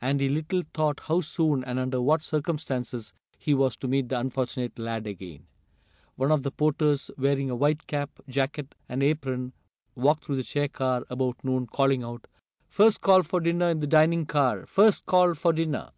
And he little thought how soon, and under what circumstances, he was to meet the unfortunate lad again. One of the porters, wearing a white cap, jacket and apron walked through the chair car about noon, calling out: "First call fo' dinner in de dinin' car! First call fo' dinner!"